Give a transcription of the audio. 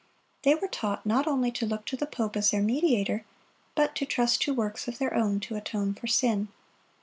They were taught not only to look to the pope as their mediator, but to trust to works of their own to atone for sin.